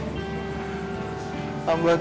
amba sudah banyak ya allah